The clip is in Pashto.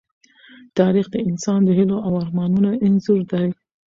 تاریخ د انسان د هيلو او ارمانونو انځور دی.